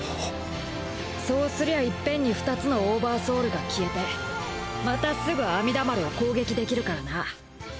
そうすりゃいっぺんに２つのオーバーソウルが消えてまたすぐ阿弥陀丸を攻撃できるからな。